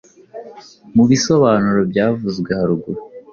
mubisobanuro byavuzwe haruguru